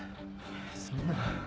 そんな。